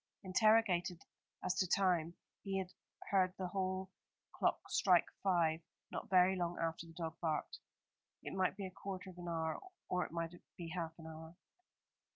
Interrogated as to time, he had heard the hall clock strike five not very long after the dog barked. It might be a quarter of an hour, or it might be half an hour.